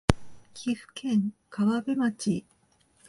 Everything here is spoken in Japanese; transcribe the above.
岐阜県川辺町